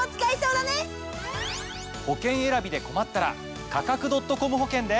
保険選びで困ったら「価格．ｃｏｍ保険」で。